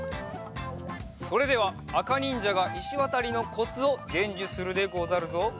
それではあかにんじゃが石渡りのコツをでんじゅするでござるぞ。